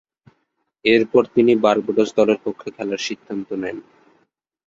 এরপর তিনি বার্বাডোস দলের পক্ষে খেলার সিদ্ধান্ত নেন।